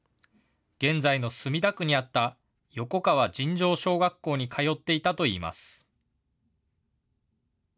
現在の墨田区にあった横川尋常小学校に通っていたといいます。